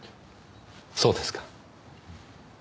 そうですか。